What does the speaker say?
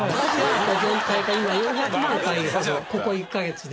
ここ１カ月で。